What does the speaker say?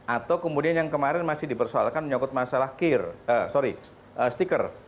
atau kemudian yang kemarin masih dipersoalkan menyangkut masalah kir sorry stiker